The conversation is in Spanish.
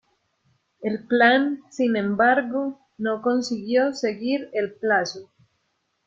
El plan, sin embargo, no consiguió seguir el plazo.